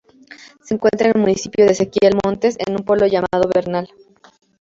Se encuentra en el municipio de Ezequiel Montes, en un pueblo llamado Bernal.